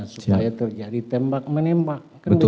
supaya terjadi tembak menembak